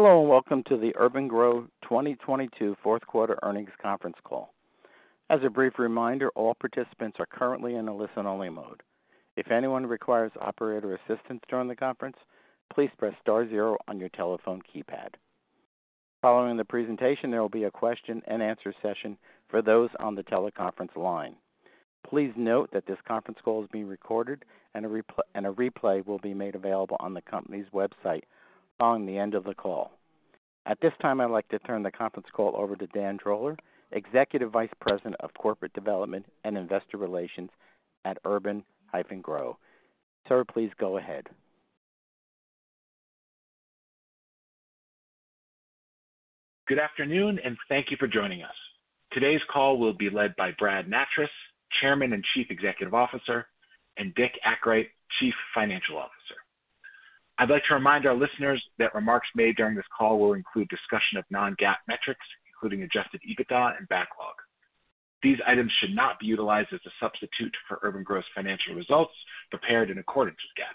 Hello, welcome to the Urban-gro 2022 Fourth Quarter Earnings Conference Call. As a brief reminder, all participants are currently in a listen-only mode. If anyone requires operator assistance during the conference, please press star zero on your telephone keypad. Following the presentation, there will be a question and answer session for those on the teleconference line. Please note that this conference call is being recorded and a replay will be made available on the company's website following the end of the call. At this time, I'd like to turn the conference call over to Dan Droller, Executive Vice President of Corporate Development and Investor Relations at urban-gro. Sir, please go ahead. Good afternoon. Thank you for joining us. Today's call will be led by Bradley Nattrass, Chairman and Chief Executive Officer, and Dick Akright, Chief Financial Officer. I'd like to remind our listeners that remarks made during this call will include discussion of non-GAAP metrics, including Adjusted EBITDA and backlog. These items should not be utilized as a substitute for urban-gro's financial results prepared in accordance with GAAP.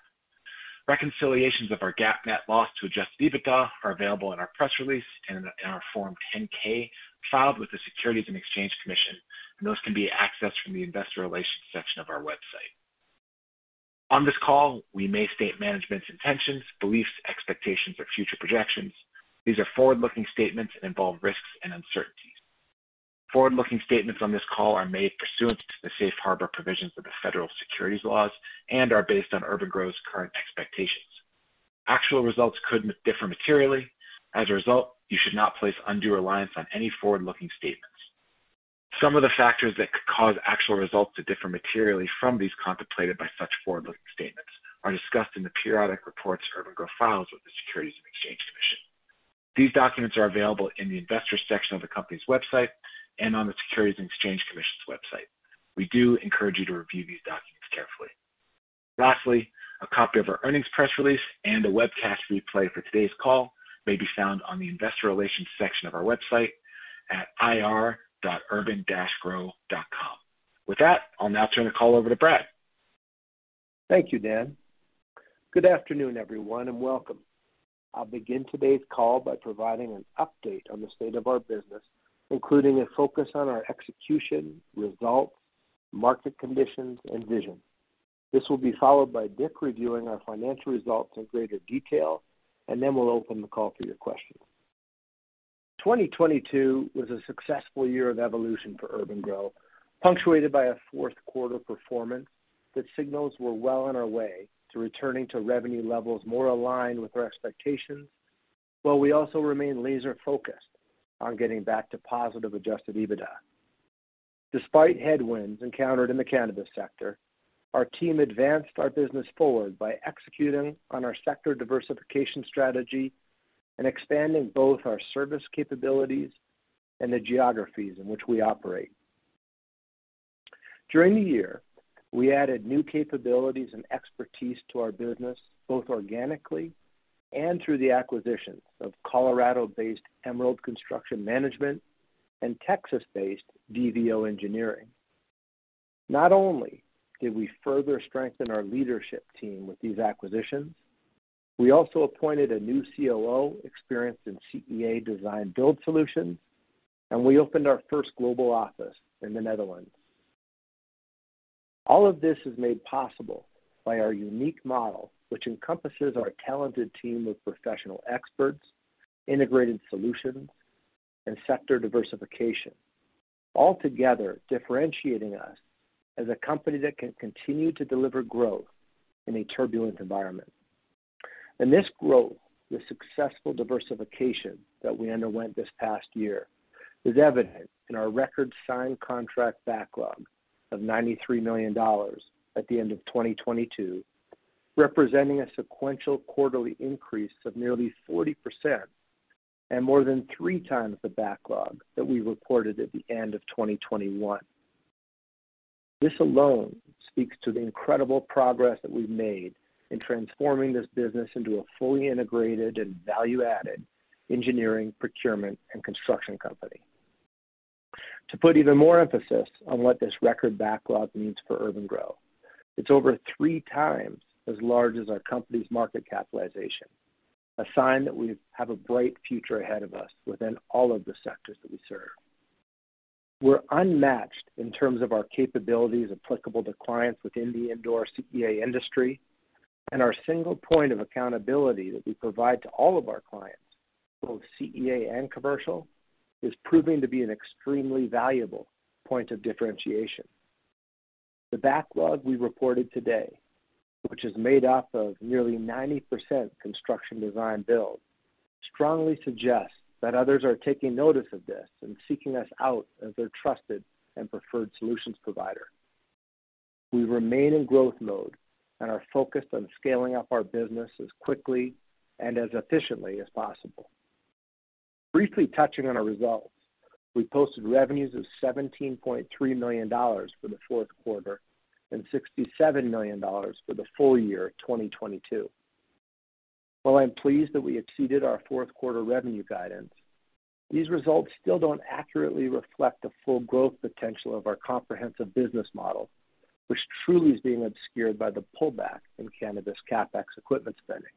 Reconciliations of our GAAP net loss to Adjusted EBITDA are available in our press release and in our Form 10-K filed with the Securities and Exchange Commission, and those can be accessed from the investor relations section of our website. On this call, we may state management's intentions, beliefs, expectations or future projections. These are forward-looking statements and involve risks and uncertainties. Forward-looking statements on this call are made pursuant to the safe harbor provisions of the federal securities laws and are based on urban-gro's current expectations. Actual results could differ materially. As a result, you should not place undue reliance on any forward-looking statements. Some of the factors that could cause actual results to differ materially from these contemplated by such forward-looking statements are discussed in the periodic reports urban-gro files with the Securities and Exchange Commission. These documents are available in the investor section of the company's website and on the Securities and Exchange Commission's website. We do encourage you to review these documents carefully. Lastly, a copy of our earnings press release and a webcast replay for today's call may be found on the investor relations section of our website at ir.urban-gro.com. With that, I'll now turn the call over to Brad. Thank you, Dan. Good afternoon, everyone, and welcome. I'll begin today's call by providing an update on the state of our business, including a focus on our execution, results, market conditions, and vision. This will be followed by Dick reviewing our financial results in greater detail, and then we'll open the call for your questions. 2022 was a successful year of evolution for urban-gro, punctuated by a fourth quarter performance that signals we're well on our way to returning to revenue levels more aligned with our expectations, while we also remain laser-focused on getting back to positive Adjusted EBITDA. Despite headwinds encountered in the cannabis sector, our team advanced our business forward by executing on our sector diversification strategy and expanding both our service capabilities and the geographies in which we operate. During the year, we added new capabilities and expertise to our business, both organically and through the acquisition of Colorado-based Emerald Construction Management and Texas-based DVO Engineering. Not only did we further strengthen our leadership team with these acquisitions, we also appointed a new COO experienced in CEA design-build solutions, and we opened our first global office in the Netherlands. All of this is made possible by our unique model, which encompasses our talented team of professional experts, integrated solutions, and sector diversification, altogether differentiating us as a company that can continue to deliver growth in a turbulent environment. This growth, the successful diversification that we underwent this past year, is evident in our record signed contract backlog of $93 million at the end of 2022, representing a sequential quarterly increase of nearly 40% and more than 3x the backlog that we reported at the end of 2021. This alone speaks to the incredible progress that we've made in transforming this business into a fully integrated and value-added engineering, procurement, and construction company. To put even more emphasis on what this record backlog means for urban-gro, it's over 3x as large as our company's market capitalization, a sign that we have a bright future ahead of us within all of the sectors that we serve. We're unmatched in terms of our capabilities applicable to clients within the indoor CEA industry, and our single point of accountability that we provide to all of our clients, both CEA and commercial, is proving to be an extremely valuable point of differentiation. The backlog we reported today, which is made up of nearly 90% construction design-build, strongly suggests that others are taking notice of this and seeking us out as their trusted and preferred solutions provider. We remain in growth mode and are focused on scaling up our business as quickly and as efficiently as possible. Briefly touching on our results, we posted revenues of $17.3 million for the fourth quarter and $67 million for the full year 2022. While I'm pleased that we exceeded our fourth quarter revenue guidance. These results still don't accurately reflect the full growth potential of our comprehensive business model, which truly is being obscured by the pullback in cannabis CapEx equipment spending.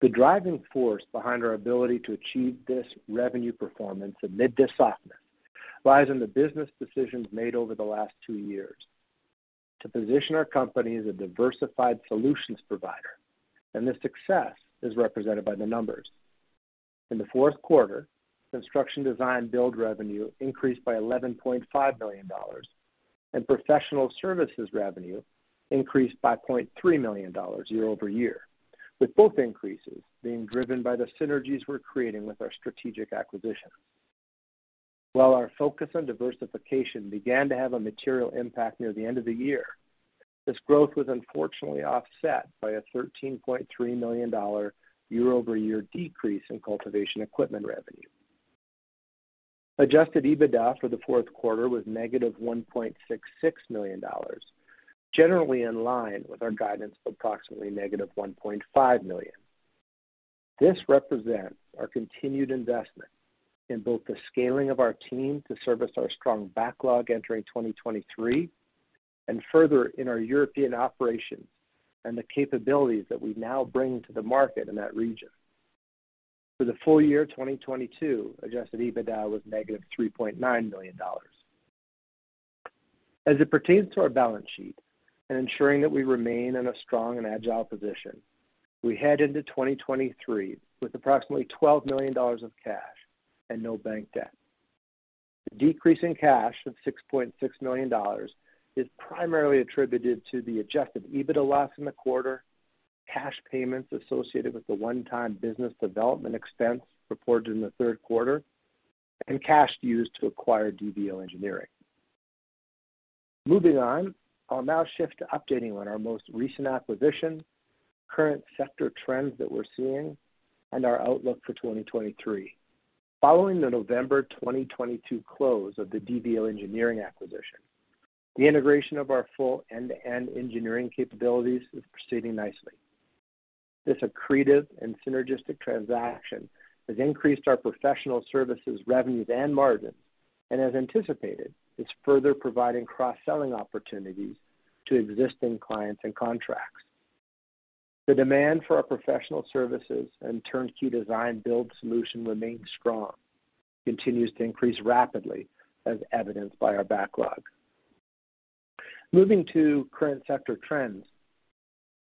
The driving force behind our ability to achieve this revenue performance amid this softness lies in the business decisions made over the last two years to position our company as a diversified solutions provider. This success is represented by the numbers. In the fourth quarter, construction design-build revenue increased by $11.5 million, and professional services revenue increased by $0.3 million year-over-year, with both increases being driven by the synergies we're creating with our strategic acquisition. While our focus on diversification began to have a material impact near the end of the year, this growth was unfortunately offset by a $13.3 million year-over-year decrease in cultivation equipment revenue. Adjusted EBITDA for the fourth quarter was -$1.66 million, generally in line with our guidance of approximately -$1.5 million. This represents our continued investment in both the scaling of our team to service our strong backlog entering 2023 and further in our European operations and the capabilities that we now bring to the market in that region. For the full year of 2022, Adjusted EBITDA was -$3.9 million. As it pertains to our balance sheet and ensuring that we remain in a strong and agile position, we head into 2023 with approximately $12 million of cash and no bank debt. The decrease in cash of $6.6 million is primarily attributed to the Adjusted EBITDA loss in the quarter, cash payments associated with the one-time business development expense reported in the third quarter, and cash used to acquire DVL Engineering. Moving on, I'll now shift to updating on our most recent acquisition, current sector trends that we're seeing, and our outlook for 2023. Following the November 2022 close of the DVL Engineering acquisition, the integration of our full end-to-end engineering capabilities is proceeding nicely. This accretive and synergistic transaction has increased our professional services revenues and margins, and as anticipated, it's further providing cross-selling opportunities to existing clients and contracts. The demand for our professional services and turnkey design-build solution remains strong, continues to increase rapidly as evidenced by our backlog. Moving to current sector trends,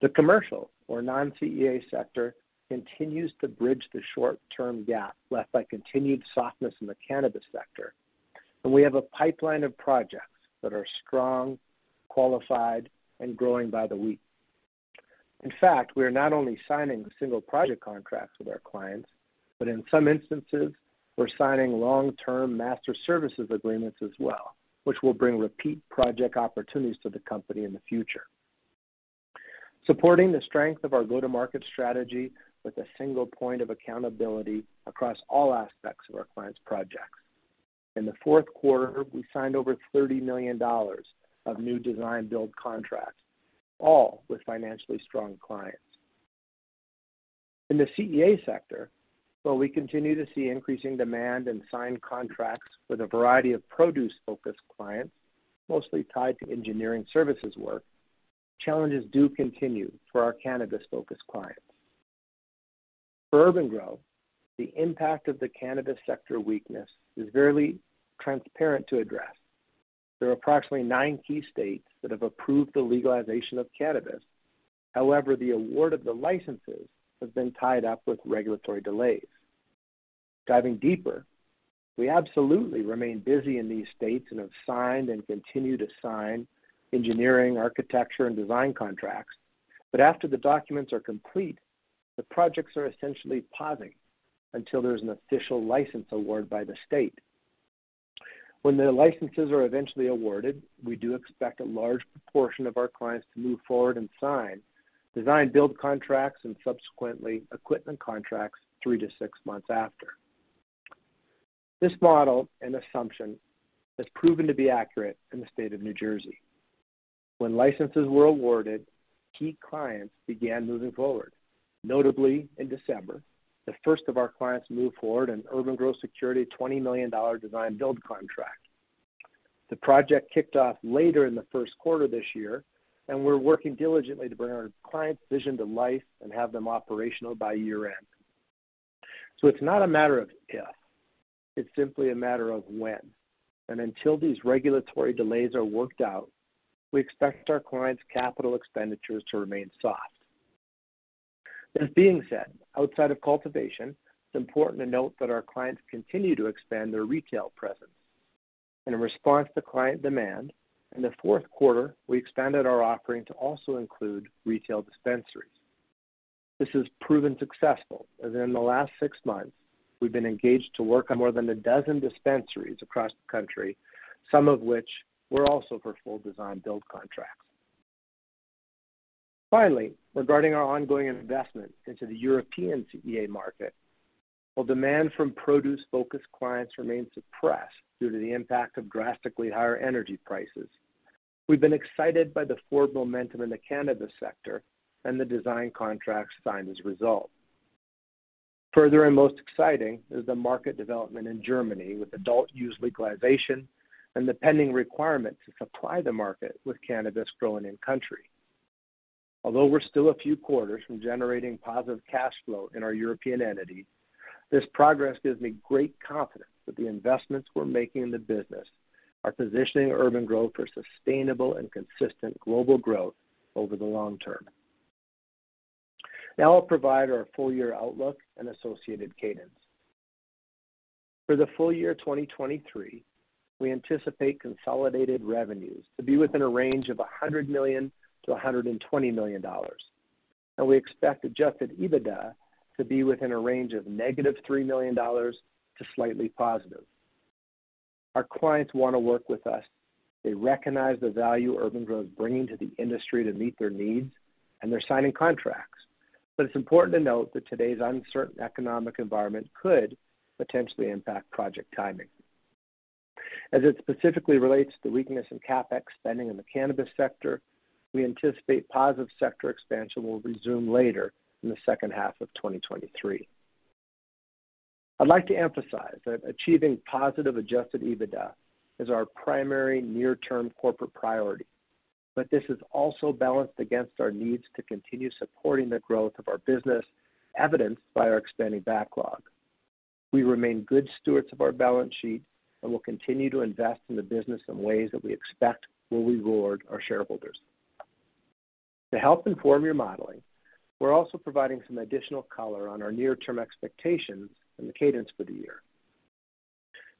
the commercial or non-CEA sector continues to bridge the short-term gap left by continued softness in the cannabis sector. We have a pipeline of projects that are strong, qualified, and growing by the week. In fact, we are not only signing single project contracts with our clients, but in some instances, we're signing long-term master services agreements as well, which will bring repeat project opportunities to the company in the future. Supporting the strength of our go-to-market strategy with a single point of accountability across all aspects of our clients' projects. In the fourth quarter, we signed over $30 million of new design-build contracts, all with financially strong clients. In the CEA sector, while we continue to see increasing demand and signed contracts with a variety of produce-focused clients, mostly tied to engineering services work, challenges do continue for our cannabis-focused clients. For urban-gro, the impact of the cannabis sector weakness is very transparent to address. There are approximately nine key states that have approved the legalization of cannabis. The award of the licenses has been tied up with regulatory delays. Diving deeper, we absolutely remain busy in these states and have signed and continue to sign engineering, architecture, and design contracts. After the documents are complete, the projects are essentially pausing until there's an official license award by the state. When the licenses are eventually awarded, we do expect a large proportion of our clients to move forward and sign design-build contracts and subsequently equipment contracts three to six months after. This model and assumption has proven to be accurate in the state of New Jersey. When licenses were awarded, key clients began moving forward. Notably, in December, the first of our clients moved forward, urban-gro secured a $20 million design-build contract. The project kicked off later in the first quarter this year, and we're working diligently to bring our clients' vision to life and have them operational by year-end. It's not a matter of if, it's simply a matter of when. Until these regulatory delays are worked out, we expect our clients' capital expenditures to remain soft. This being said, outside of cultivation, it's important to note that our clients continue to expand their retail presence. In response to client demand, in the fourth quarter, we expanded our offering to also include retail dispensaries. This has proven successful as in the last six months, we've been engaged to work on more than a dozen dispensaries across the country, some of which were also for full design-build contracts. Finally, regarding our ongoing investment into the European CEA market, while demand from produce-focused clients remains suppressed due to the impact of drastically higher energy prices. We've been excited by the forward momentum in the cannabis sector and the design contracts signed as a result. Further and most exciting is the market development in Germany with adult use legalization and the pending requirement to supply the market with cannabis grown in country. Although we're still a few quarters from generating positive cash flow in our European entity, this progress gives me great confidence that the investments we're making in the business are positioning urban-gro for sustainable and consistent global growth over the long term. Now I'll provide our full year outlook and associated cadence. For the full year 2023, we anticipate consolidated revenues to be within a range of $100 million-$120 million, and we expect Adjusted EBITDA to be within a range of -$3 million to slightly positive. Our clients wanna work with us. They recognize the value urban-gro bringing to the industry to meet their needs, and they're signing contracts. It's important to note that today's uncertain economic environment could potentially impact project timing. As it specifically relates to weakness in CapEx spending in the cannabis sector, we anticipate positive sector expansion will resume later in the second half of 2023. I'd like to emphasize that achieving positive Adjusted EBITDA is our primary near term corporate priority. This is also balanced against our needs to continue supporting the growth of our business, evidenced by our expanding backlog. We remain good stewards of our balance sheet and will continue to invest in the business in ways that we expect will reward our shareholders. To help inform your modeling, we're also providing some additional color on our near-term expectations and the cadence for the year.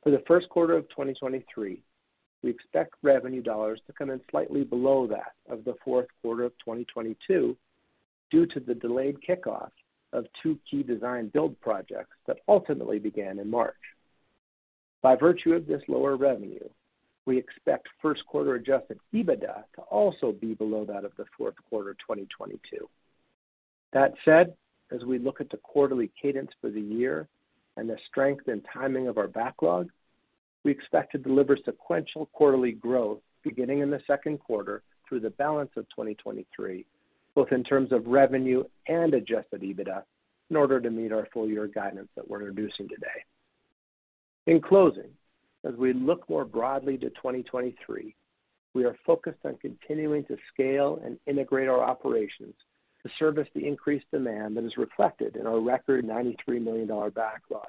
For the first quarter of 2023, we expect revenue dollars to come in slightly below that of the fourth quarter of 2022 due to the delayed kickoff of two key design-build projects that ultimately began in March. By virtue of this lower revenue, we expect first quarter Adjusted EBITDA to also be below that of the fourth quarter of 2022. That said, as we look at the quarterly cadence for the year and the strength and timing of our backlog, we expect to deliver sequential quarterly growth beginning in the second quarter through the balance of 2023, both in terms of revenue and Adjusted EBITDA, in order to meet our full year guidance that we're introducing today. In closing, as we look more broadly to 2023, we are focused on continuing to scale and integrate our operations to service the increased demand that is reflected in our record $93 million backlog.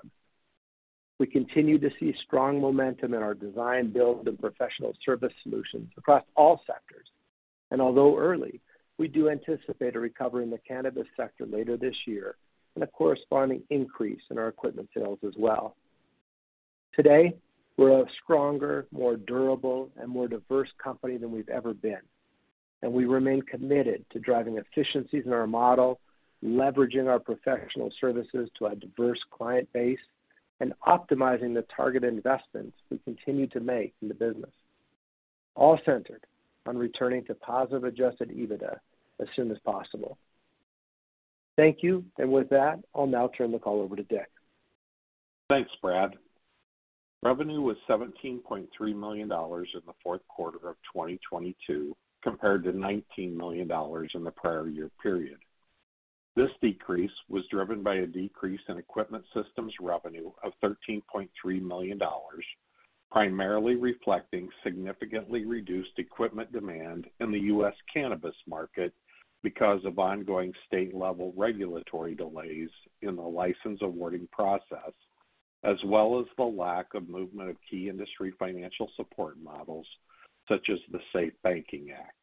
We continue to see strong momentum in our design-build and professional service solutions across all sectors. Although early, we do anticipate a recovery in the cannabis sector later this year and a corresponding increase in our equipment sales as well. Today, we're a stronger, more durable, and more diverse company than we've ever been, and we remain committed to driving efficiencies in our model, leveraging our professional services to a diverse client base, and optimizing the targeted investments we continue to make in the business, all centered on returning to positive Adjusted EBITDA as soon as possible. Thank you. With that, I'll now turn the call over to Dick. Thanks, Brad. Revenue was $17.3 million in the fourth quarter of 2022 compared to $19 million in the prior year period. This decrease was driven by a decrease in equipment systems revenue of $13.3 million, primarily reflecting significantly reduced equipment demand in the U.S. cannabis market because of ongoing state-level regulatory delays in the license awarding process, as well as the lack of movement of key industry financial support models such as the SAFE Banking Act.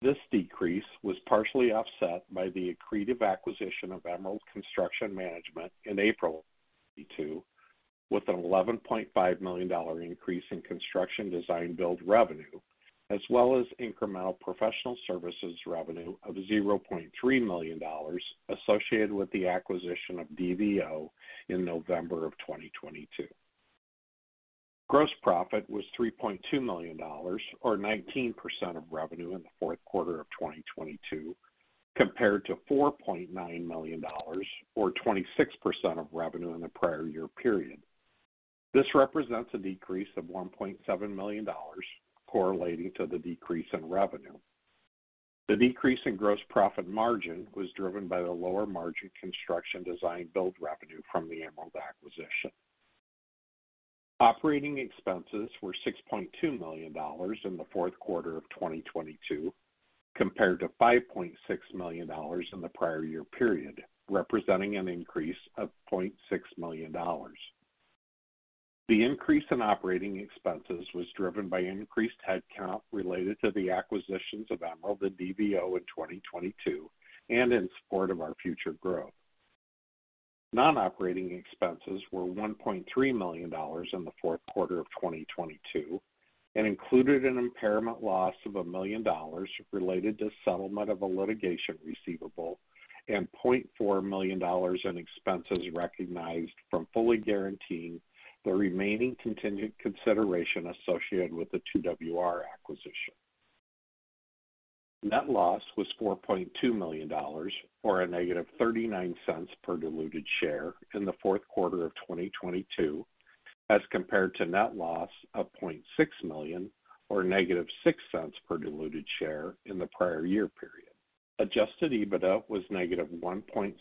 This decrease was partially offset by the accretive acquisition of Emerald Construction Management in April 2022, with an $11.5 million increase in construction design-build revenue, as well as incremental professional services revenue of $0.3 million associated with the acquisition of DVO in November 2022. Gross profit was $3.2 million or 19% of revenue in the fourth quarter of 2022, compared to $4.9 million or 26% of revenue in the prior year period. This represents a decrease of $1.7 million correlating to the decrease in revenue. The decrease in gross profit margin was driven by the lower margin construction design-build revenue from the Emerald acquisition. Operating expenses were $6.2 million in the fourth quarter of 2022, compared to $5.6 million in the prior year period, representing an increase of $0.6 million. The increase in operating expenses was driven by increased headcount related to the acquisitions of Emerald and DVO in 2022 and in support of our future growth. Non-operating expenses were $1.3 million in the fourth quarter of 2022, and included an impairment loss of $1 million related to settlement of a litigation receivable and $0.4 million in expenses recognized from fully guaranteeing the remaining contingent consideration associated with the 2WR acquisition. Net loss was $4.2 million, or a -$0.39 per diluted share in the fourth quarter of 2022, as compared to net loss of $0.6 million or -$0.06 per diluted share in the prior year period. Adjusted EBITDA was -$1.66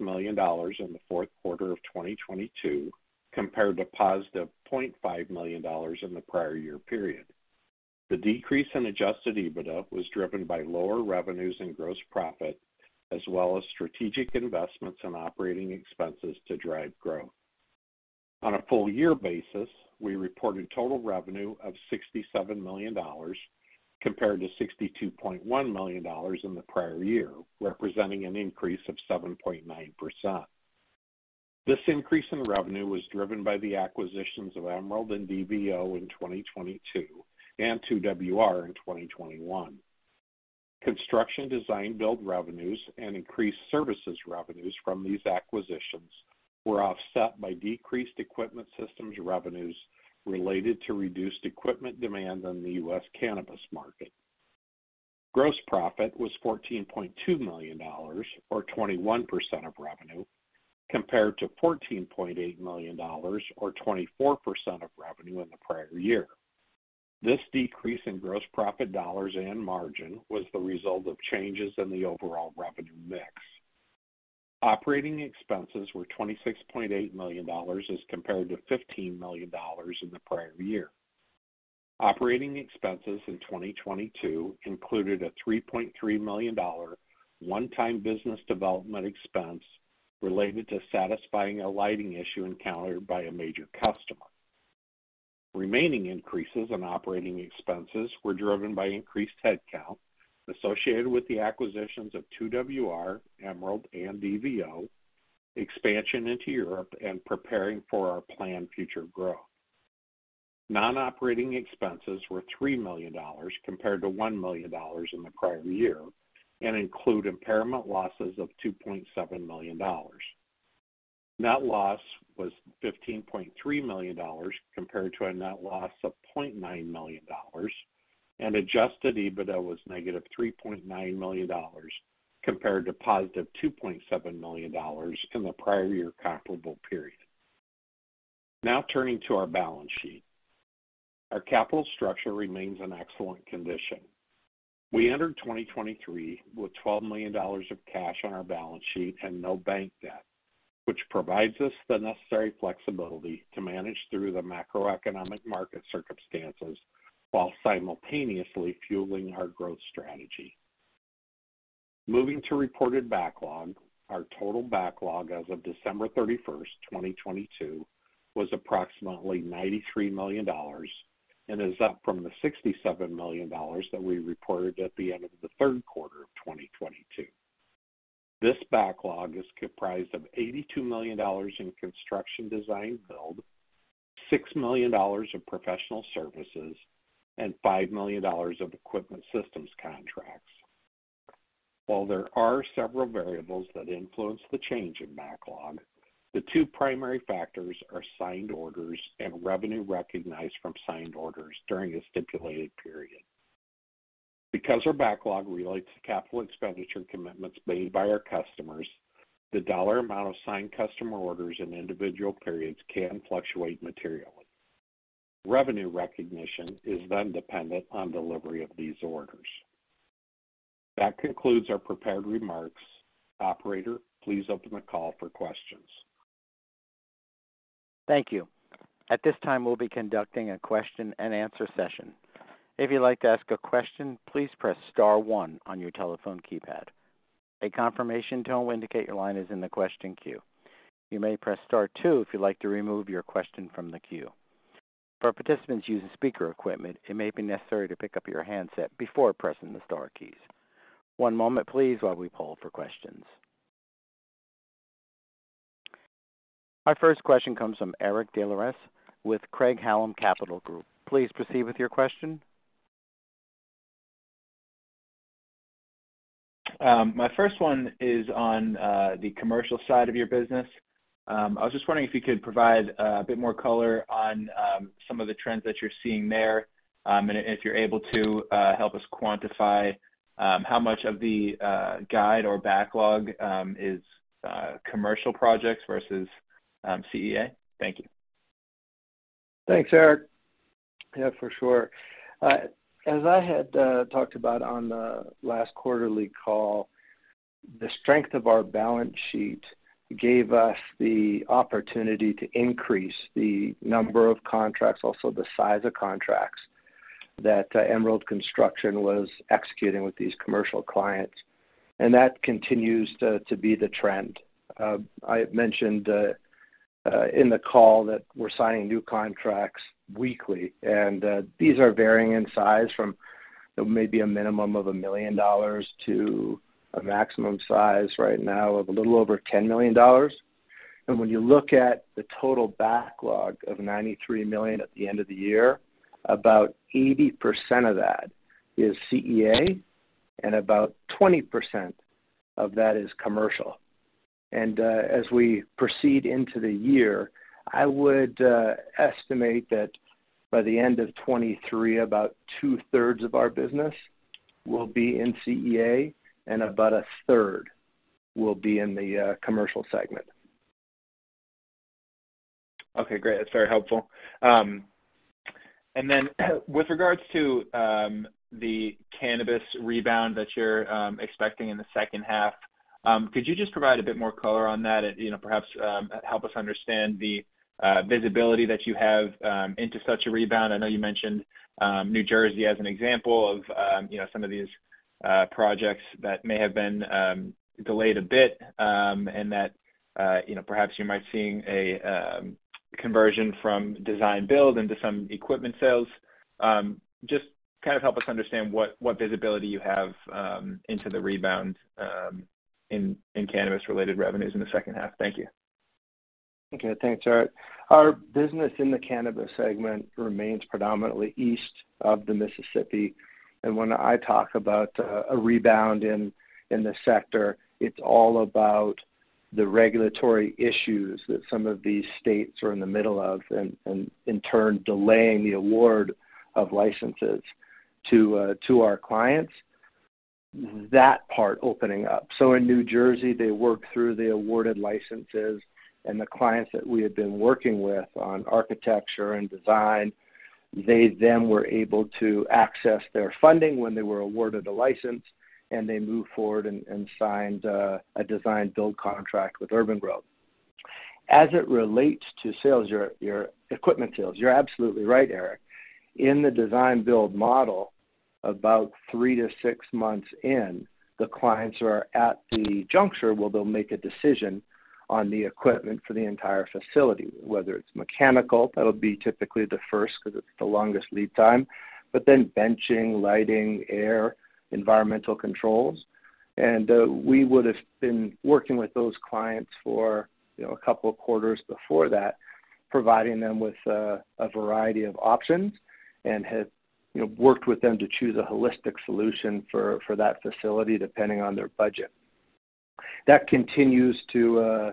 million in the fourth quarter of 2022 compared to $0.5 million in the prior year period. The decrease in Adjusted EBITDA was driven by lower revenues and gross profit as well as strategic investments and operating expenses to drive growth. On a full year basis, we reported total revenue of $67 million compared to $62.1 million in the prior year, representing an increase of 7.9%. This increase in revenue was driven by the acquisitions of Emerald and DVO in 2022 and 2WR in 2021. Construction design-build revenues and increased services revenues from these acquisitions were offset by decreased equipment systems revenues related to reduced equipment demand in the U.S. cannabis market. Gross profit was $14.2 million or 21% of revenue, compared to $14.8 million or 24% of revenue in the prior year. This decrease in gross profit dollars and margin was the result of changes in the overall revenue mix. Operating expenses were $26.8 million as compared to $15 million in the prior year. Operating expenses in 2022 included a $3.3 million one time business development expense related to satisfying a lighting issue encountered by a major customer. Remaining increases in operating expenses were driven by increased headcount associated with the acquisitions of 2WR, Emerald and DVO, expansion into Europe and preparing for our planned future growth. Non-operating expenses were $3 million compared to $1 million in the prior year, and include impairment losses of $2.7 million. Net loss was $15.3 million compared to a net loss of $0.9 million, and Adjusted EBITDA was -$3.9 million compared to +$2.7 million in the prior year comparable period. Turning to our balance sheet. Our capital structure remains in excellent condition. We entered 2023 with $12 million of cash on our balance sheet and no bank debt, which provides us the necessary flexibility to manage through the macroeconomic market circumstances while simultaneously fueling our growth strategy. Moving to reported backlog. Our total backlog as of December 31, 2022, was approximately $93 million and is up from the $67 million that we reported at the end of the third quarter of 2022. This backlog is comprised of $82 million in construction design-build, $6 million of professional services, and $5 million of equipment systems contracts. While there are several variables that influence the change in backlog, the two primary factors are signed orders and revenue recognized from signed orders during a stipulated period. Our backlog relates to capital expenditure commitments made by our customers, the dollar amount of signed customer orders in individual periods can fluctuate materially. Revenue recognition is then dependent on delivery of these orders. That concludes our prepared remarks. Operator, please open the call for questions. Thank you. At this time, we'll be conducting a question and answer session. If you'd like to ask a question, please press star one on your telephone keypad. A confirmation tone will indicate your line is in the question queue. You may press star two if you'd like to remove your question from the queue. For participants using speaker equipment, it may be necessary to pick up your handset before pressing the star keys. One moment please while we poll for questions. Our first question comes from Eric DesLauriers with Craig-Hallum Capital Group LLC. Please proceed with your question. My first one is on the commercial side of your business. I was just wondering if you could provide a bit more color on some of the trends that you're seeing there, and if you're able to help us quantify how much of the guide or backlog is commercial projects versus CEA? Thank you. Thanks, Eric. Yeah, for sure. As I had talked about on the last quarterly call, the strength of our balance sheet gave us the opportunity to increase the number of contracts, also the size of contracts that Emerald Construction was executing with these commercial clients, and that continues to be the trend. I had mentioned in the call that we're signing new contracts weekly, and these are varying in size from maybe a minimum of $1 million to a maximum size right now of a little over $10 million. When you look at the total backlog of $93 million at the end of the year, about 80% of that is CEA, and about 20% of that is commercial. As we proceed into the year, I would estimate that by the end of 2023, about 2/3 of our business will be in CEA and about 1/3 will be in the commercial segment. Okay, great. That's very helpful. With regards to the cannabis rebound that you're expecting in the second half, could you just provide a bit more color on that and, you know, perhaps help us understand the visibility that you have into such a rebound? I know you mentioned New Jersey as an example of, you know, some of these projects that may have been delayed a bit, and that, you know, perhaps you might seeing a conversion from design-build into some equipment sales. Just kind of help us understand what visibility you have into the rebound in cannabis-related revenues in the second half. Thank you. Okay. Thanks, Eric. Our business in the cannabis segment remains predominantly east of the Mississippi. When I talk about a rebound in the sector, it's all about the regulatory issues that some of these states are in the middle of and in turn, delaying the award of licenses to our clients, that part opening up. In New Jersey, they work through the awarded licenses and the clients that we had been working with on architecture and design, they then were able to access their funding when they were awarded a license, and they moved forward and signed a design-build contract with urban-gro, Inc. As it relates to sales, your equipment sales, you're absolutely right, Eric. In the design-build model, about three to six months in, the clients are at the juncture where they'll make a decision on the equipment for the entire facility, whether it's mechanical, that'll be typically the first because it's the longest lead time, but then benching, lighting, air, environmental controls. we would have been working with those clients for, you know, a couple of quarters before that, providing them with a variety of options and have, you know, worked with them to choose a holistic solution for that facility, depending on their budget. That continues to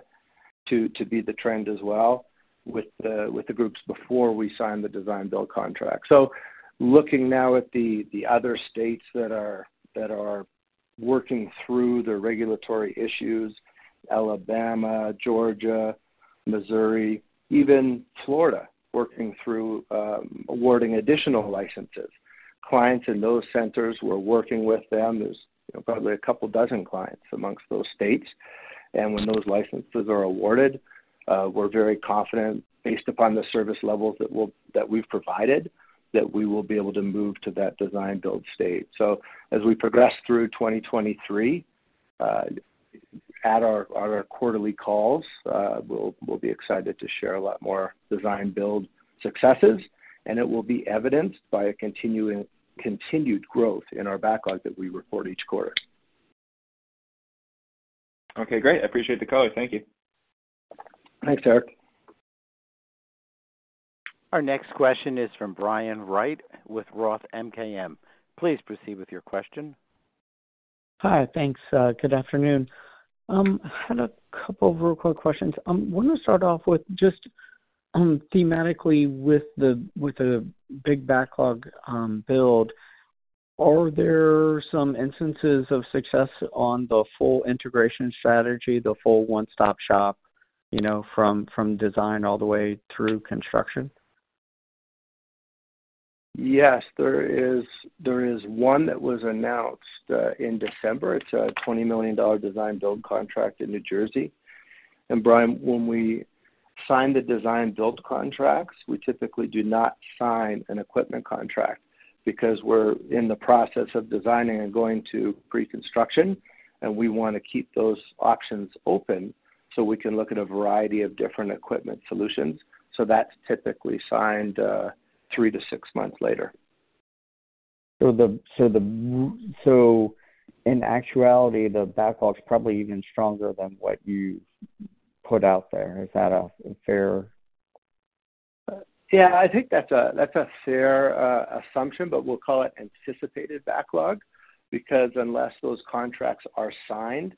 be the trend as well with the groups before we sign the design-build contract. Looking now at the other states that are working through the regulatory issues, Alabama, Georgia, Missouri, even Florida, working through awarding additional licenses. Clients in those centers, we're working with them. There's, you know, probably a couple dozen clients amongst those states. When those licenses are awarded, we're very confident based upon the service levels that we've provided, that we will be able to move to that design-build state. As we progress through 2023, at our, at our quarterly calls, we'll be excited to share a lot more design-build successes, and it will be evidenced by a continued growth in our backlog that we report each quarter. Okay, great. I appreciate the color. Thank you. Thanks, Eric. Our next question is from Brian Wright with ROTH MKM. Please proceed with your question. Hi. Thanks. Good afternoon. I had a couple of real quick questions. Wanted to start off with just, thematically with the big backlog build, are there some instances of success on the full integration strategy, the full one-stop shop, you know, from design all the way through construction? Yes. There is one that was announced in December. It's a $20 million design-build contract in New Jersey. Brian, when we sign the design-build contracts, we typically do not sign an equipment contract because we're in the process of designing and going to pre-construction, and we wanna keep those options open so we can look at a variety of different equipment solutions. That's typically signed three to six months later. In actuality, the backlog's probably even stronger than what you've put out there. Is that a fair... Yeah, I think that's a, that's a fair assumption, but we'll call it anticipated backlog because unless those contracts are signed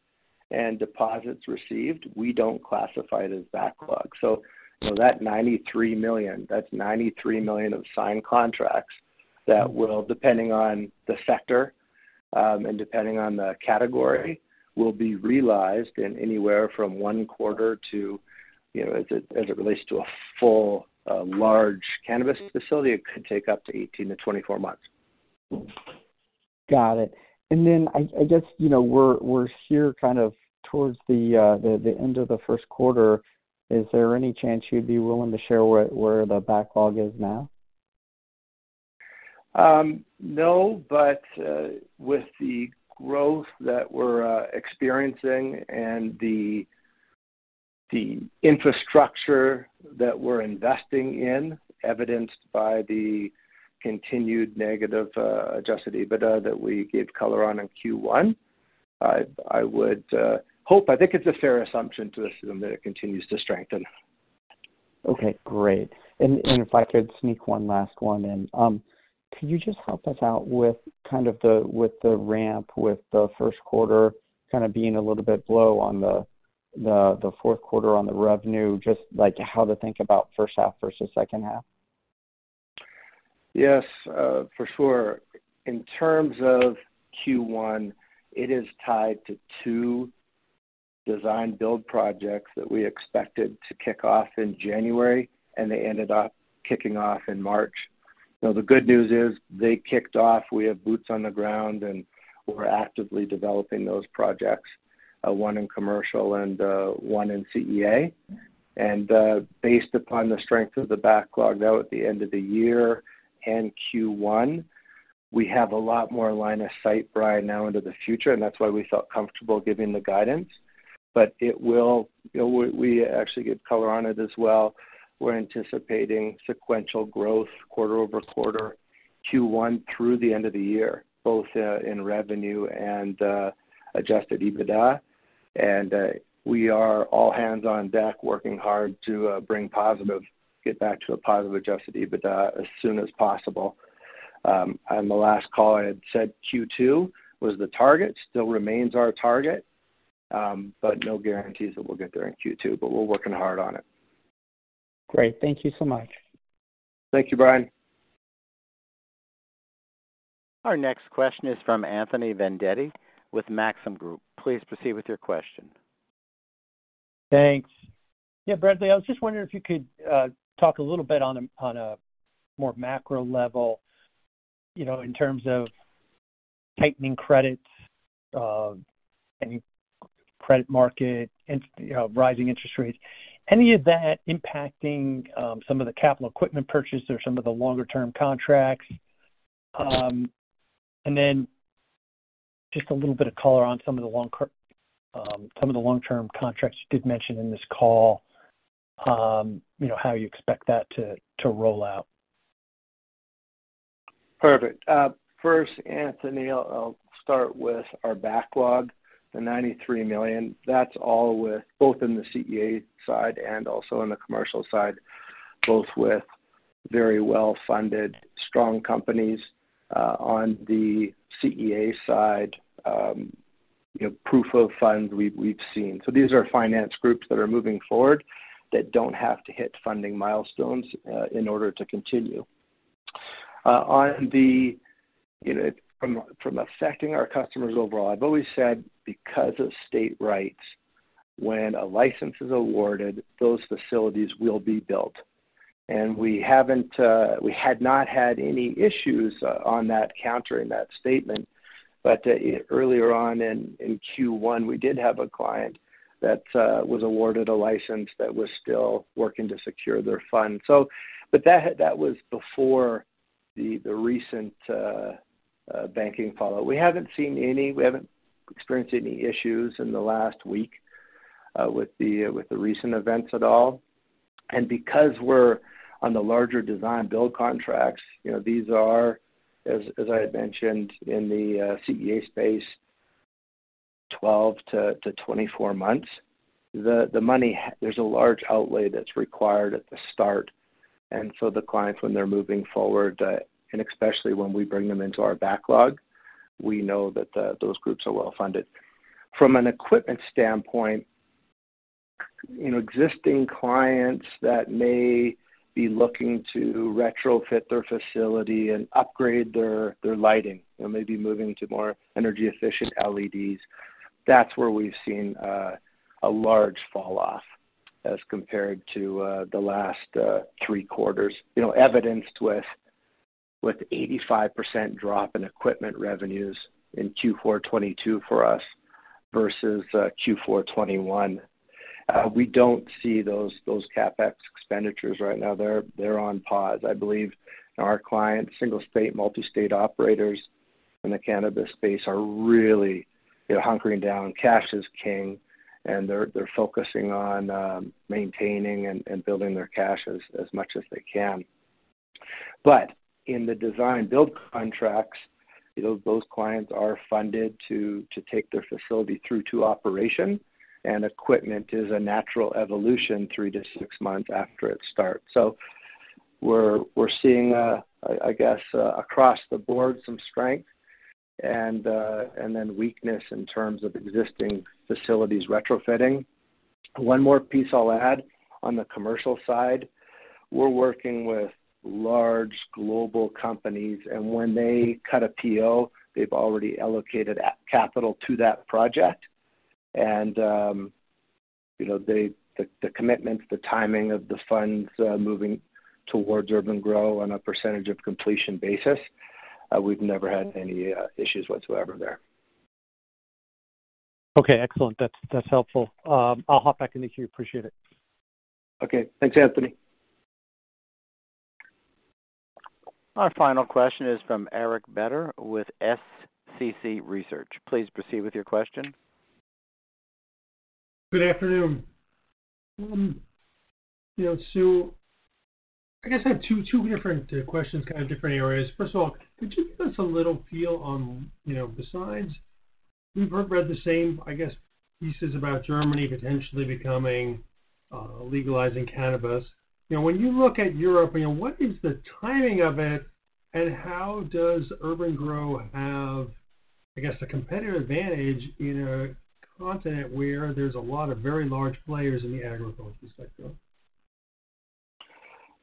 and deposits received, we don't classify it as backlog. That $93 million, that's $93 million of signed contracts that will, depending on the sector, and depending on the category, will be realized in anywhere from one quarter to, you know, as it relates to a full, large cannabis facility, it could take up to 18-24 months. Got it. I guess, you know, we're here kind of towards the end of the first quarter. Is there any chance you'd be willing to share where the backlog is now? No, with the growth that we're experiencing and the infrastructure that we're investing in, evidenced by the continued negative Adjusted EBITDA that we gave color on in Q1, I would hope. I think it's a fair assumption to assume that it continues to strengthen. Okay, great. If I could sneak one last one in? Could you just help us out with kind of the, with the ramp, with the first quarter kinda being a little bit below on the fourth quarter on the revenue, just, like, how to think about first half versus second half? Yes, for sure. In terms of Q1, it is tied to two design-build projects that we expected to kick off in January. They ended up kicking off in March. The good news is they kicked off. We have boots on the ground, and we're actively developing those projects, one in commercial and one in CEA. Based upon the strength of the backlog now at the end of the year and Q1, we have a lot more line of sight, Brian, now into the future, and that's why we felt comfortable giving the guidance. It will. You know, we actually give color on it as well. We're anticipating sequential growth quarter-over-quarter, Q1 through the end of the year, both in revenue and Adjusted EBITDA. We are all hands on deck working hard to get back to a positive Adjusted EBITDA as soon as possible. On the last call, I had said Q2 was the target. Still remains our target, but no guarantees that we'll get there in Q2, but we're working hard on it. Great. Thank you so much. Thank you, Brian. Our next question is from Anthony Vendetti with Maxim Group. Please proceed with your question. Thanks. Yeah, Bradley, I was just wondering if you could talk a little bit on a, on a more macro level, you know, in terms of tightening credits, and credit market, you know, rising interest rates. Any of that impacting some of the capital equipment purchases or some of the longer term contracts? Just a little bit of color on some of the long, some of the long-term contracts you did mention in this call, you know, how you expect that to roll out. Perfect. First, Anthony, I'll start with our backlog, the $93 million. That's all with both in the CEA side and also in the commercial side, both with very well-funded, strong companies, on the CEA side, you know, proof of funds we've seen. These are finance groups that are moving forward that don't have to hit funding milestones, in order to continue. You know, from affecting our customers overall, I've always said because of state rights, when a license is awarded, those facilities will be built. We haven't, we had not had any issues on that counter in that statement. Earlier on in Q1, we did have a client that was awarded a license that was still working to secure their funds. But that was before the recent banking fallout. We haven't experienced any issues in the last week with the recent events at all. Because we're on the larger design-build contracts, you know, these are, as I had mentioned in the CEA space, 12-24 months. There's a large outlay that's required at the start. The clients, when they're moving forward, and especially when we bring them into our backlog, we know that those groups are well-funded. From an equipment standpoint, you know, existing clients that may be looking to retrofit their facility and upgrade their lighting, you know, maybe moving to more energy-efficient LEDs, that's where we've seen a large falloff as compared to the last three quarters. You know, evidenced with 85% drop in equipment revenues in Q4 2022 for us versus Q4 2021. We don't see those CapEx expenditures right now. They're on pause. I believe our clients, single state, multi-state operators in the cannabis space are really, you know, hunkering down. Cash is king, and they're focusing on maintaining and building their cash as much as they can. In the design-build contracts, you know, those clients are funded to take their facility through to operation, and equipment is a natural evolution three to six months after it starts. We're seeing, I guess, across the board some strength and then weakness in terms of existing facilities retrofitting. One more piece I'll add on the commercial side. We're working with large global companies, and when they cut a PO, they've already allocated capital to that project. you know, the commitments, the timing of the funds, moving towards urban-gro on a percentage of completion basis, we've never had any issues whatsoever there. Okay, excellent. That's helpful. I'll hop back in the queue. Appreciate it. Okay. Thanks, Anthony. Our final question is from Eric Beder with SCC Research. Please proceed with your question. Good afternoon. You know. I guess I have two different questions, kind of different areas. First of all, could you give us a little feel on, you know, besides. We've heard, read the same, I guess, pieces about Germany potentially becoming legalizing cannabis. You know, when you look at Europe, you know, what is the timing of it, and how does urban-gro have, I guess, a competitive advantage in a continent where there's a lot of very large players in the agriculture sector?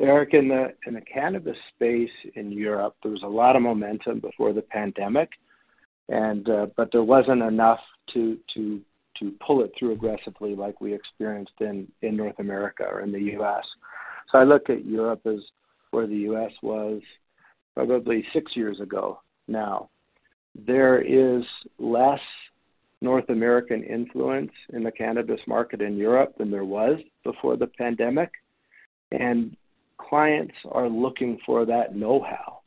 Eric, in the cannabis space in Europe, there was a lot of momentum before the pandemic, but there wasn't enough to pull it through aggressively like we experienced in North America or in the U.S. I look at Europe as where the U.S. was probably six years ago now. There is less North American influence in the cannabis market in Europe than there was before the pandemic, and clients are looking for that know-how.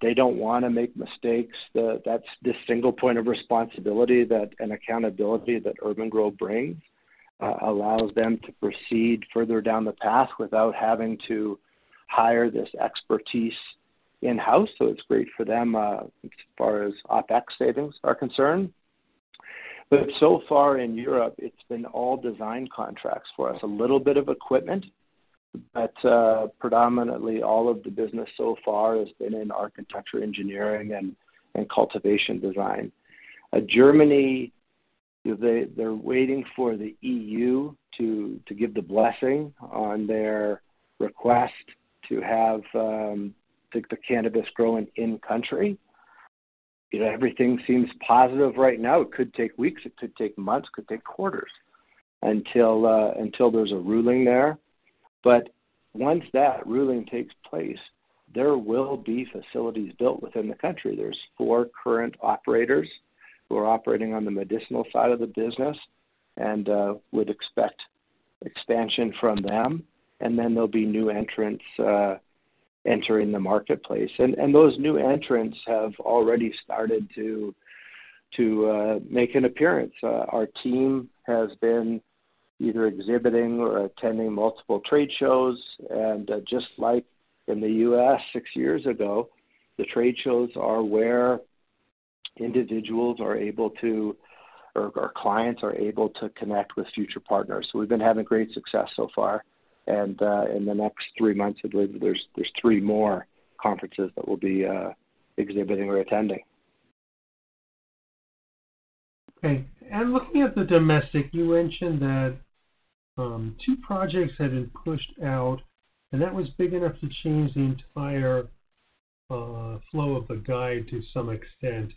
They don't wanna make mistakes. That's the single point of responsibility that, and accountability that urban-gro brings, allows them to proceed further down the path without having to hire this expertise in-house. It's great for them, as far as OPEX savings are concerned. So far in Europe, it's been all design contracts for us. A little bit of equipment, but predominantly all of the business so far has been in architecture, engineering and cultivation design. Germany, they're waiting for the EU to give the blessing on their request to have the cannabis growing in country. You know, everything seems positive right now. It could take weeks, it could take months, it could take quarters until there's a ruling there. Once that ruling takes place, there will be facilities built within the country. There's four current operators who are operating on the medicinal side of the business and would expect expansion from them. Then there'll be new entrants entering the marketplace. Those new entrants have already started to make an appearance. Our team has been either exhibiting or attending multiple trade shows. Just like in the U.S. six years ago, the trade shows are where individuals are able to, or clients are able to connect with future partners. We've been having great success so far. In the next three months, I believe there's three more conferences that we'll be exhibiting or attending. Okay. Looking at the domestic, you mentioned that, two projects had been pushed out, and that was big enough to change the entire flow of the guide to some extent.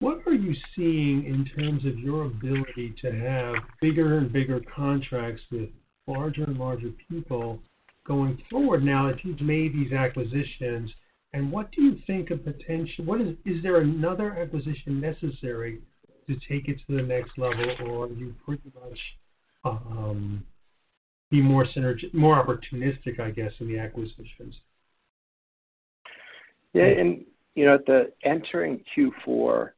What are you seeing in terms of your ability to have bigger and bigger contracts with larger and larger people going forward now that you've made these acquisitions? What do you think of potential? Is there another acquisition necessary to take it to the next level, or are you pretty much be more opportunistic, I guess, in the acquisitions? Yeah. You know, the entering Q4,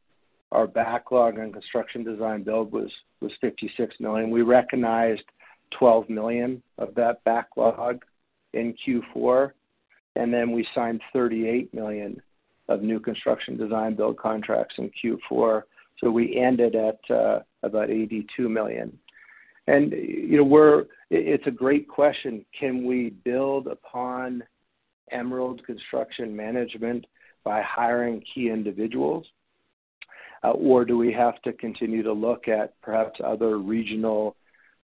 our backlog on construction design-build was $56 million. We recognized $12 million of that backlog in Q4, then we signed $38 million of new construction design-build contracts in Q4. We ended at about $82 million. You know, it's a great question. Can we build upon Emerald Construction Management by hiring key individuals? Or do we have to continue to look at perhaps other regional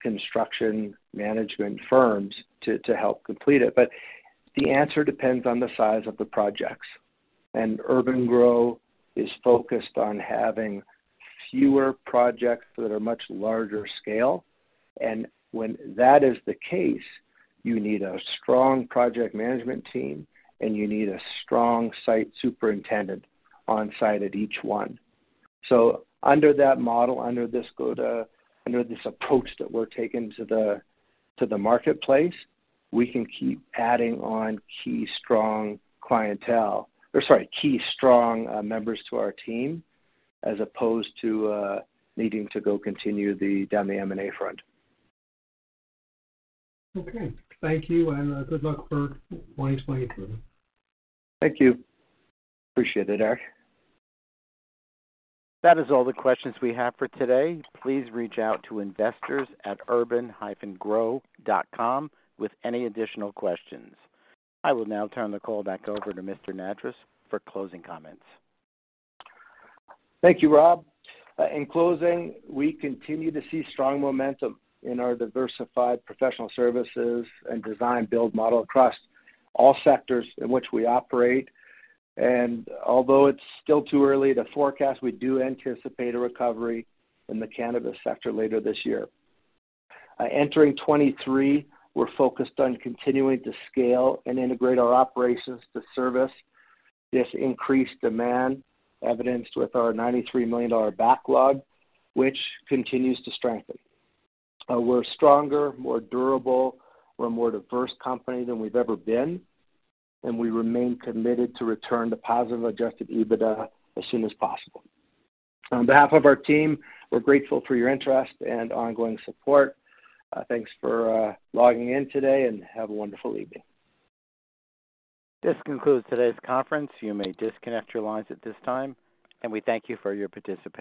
construction management firms to help complete it? The answer depends on the size of the projects. urban-gro is focused on having fewer projects that are much larger scale. When that is the case, you need a strong project management team, and you need a strong site superintendent on site at each one. Under that model, under this approach that we're taking to the marketplace, we can keep adding on key strong clientele. sorry, key strong, members to our team, as opposed to, needing to go continue down the M&A front. Okay. Thank you, and, good luck for 2023. Thank you. Appreciate it, Eric. That is all the questions we have for today. Please reach out to investors, at urban-gro.com with any additional questions. I will now turn the call back over to Mr. Nattrass for closing comments. Thank you, Rob. In closing, we continue to see strong momentum in our diversified professional services and design-build model across all sectors in which we operate. Although it's still too early to forecast, we do anticipate a recovery in the cannabis sector later this year. Entering 2023, we're focused on continuing to scale and integrate our operations to service this increased demand, evidenced with our $93 million backlog, which continues to strengthen. We're stronger, more durable, we're a more diverse company than we've ever been, and we remain committed to return to positive Adjusted EBITDA as soon as possible. On behalf of our team, we're grateful for your interest and ongoing support. Thanks for logging in today, and have a wonderful evening. This concludes today's conference. You may disconnect your lines at this time, and we thank you for your participation.